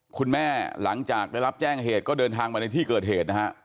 หลังจากได้รับแจ้งเหตุก็เดินทางมาในที่เกิดเหตุนะฮะ